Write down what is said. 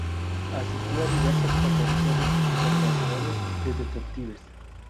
Asistió a diversas convenciones internacionales de detectives.